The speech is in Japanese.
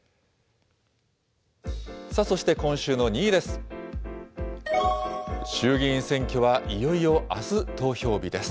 そして今週の２位です。